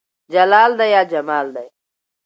جلال دى يا جمال دى